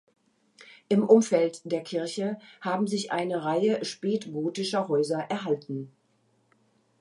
Im Umfeld der Kirche haben sich eine Reihe spätgotischer Häuser erhalten.